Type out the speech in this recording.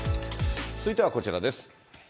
続いてはこちらです。